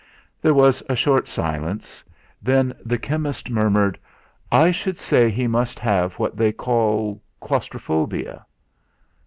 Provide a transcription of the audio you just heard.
There was a short silence, then the chemist murmured: "I should say he must have what they call claustrophobia."